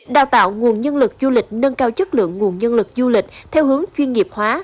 đào tạo nguồn nhân lực du lịch nâng cao chất lượng nguồn nhân lực du lịch theo hướng chuyên nghiệp hóa